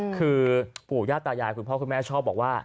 คือปู่ย่าตายายคุณพ่อคุณแม่ชอบบอกว่า